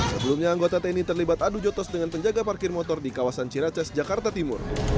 sebelumnya anggota tni terlibat adu jotos dengan penjaga parkir motor di kawasan ciracas jakarta timur